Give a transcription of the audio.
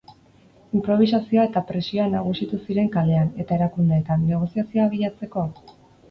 Inprobisazioa eta presioa nagusitu ziren kalean eta erakundeetan, negoziazioa bilatzeko?